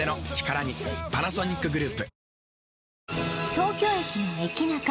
東京駅の駅ナカ